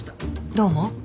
どう思う？